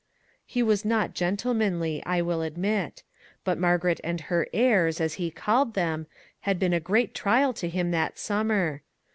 He was not gentlemanly, I will admit; but Margaret and her " airs," as he called them, had been a great trial to him that summer.